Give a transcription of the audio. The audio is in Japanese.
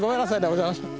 お邪魔しました。